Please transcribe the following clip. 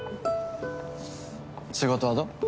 仕事はどう？